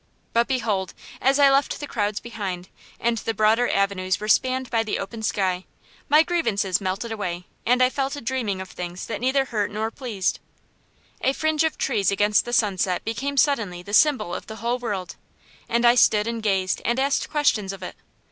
But behold, as I left the crowds behind, and the broader avenues were spanned by the open sky, my grievances melted away, and I fell to dreaming of things that neither hurt nor pleased. A fringe of trees against the sunset became suddenly the symbol of the whole world, and I stood and gazed and asked questions of it.